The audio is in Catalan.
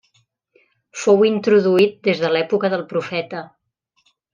Fou introduït des de l'època del Profeta.